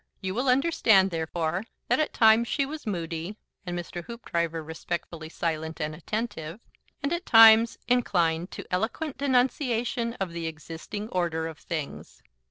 You will understand, therefore, that at times she was moody (and Mr. Hoopdriver respectfully silent and attentive) and at times inclined to eloquent denunciation of the existing order of things.